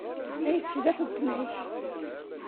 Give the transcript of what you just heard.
Ay tecbeḥ uletma-k!